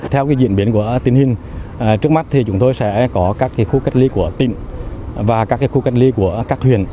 theo diễn biến của tình hình trước mắt thì chúng tôi sẽ có các khu cách ly của tỉnh và các khu cách ly của các huyện